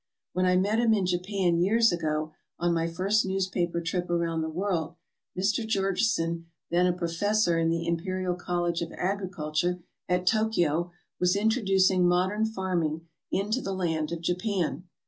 When I met him in Japan years ago on my first newspaper trip around the world, Mr. Georgeson, then a professor in the Imperial College of Agriculture at Tokio, was introducing modern farming into the land of Japan.